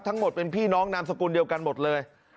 ทั้งหมดเป็นพี่น้องนามสกุลเดียวกันหมดเลย